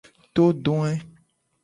Todoe.